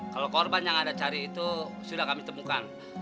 kalo korban yang anda cari adalah yang sudah kami temukan